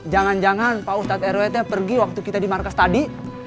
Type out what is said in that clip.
jangan jangan pak ustadz rwth pergi waktu kita di markas tadi